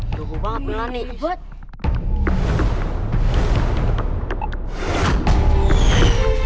tunggu banget berani